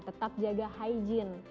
tetap jaga hijin